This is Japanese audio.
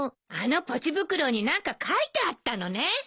あのポチ袋に何か書いてあったのね。